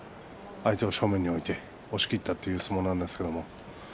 相手を正面に置いて押していったという相撲でした。